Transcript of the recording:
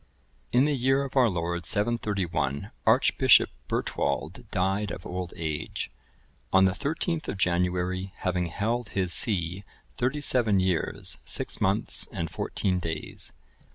In the year of our Lord 731, Archbishop Bertwald died of old age, on the 13th of January, having held his see thirty seven years, six months and fourteen days.